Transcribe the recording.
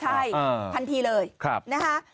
ใช่ทันทีเลยนะคะ